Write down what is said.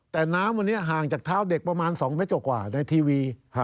แต่น้ำวันนี้ห่างจากเท้าเด็กประมาณ๒เมตรกว่าในทีวี